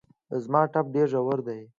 زما ټپ ډېر ژور دی